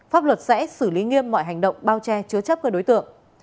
pháp luật sẽ xử lý nghiêm mọi hành động bao che chứa chấp các đối tượng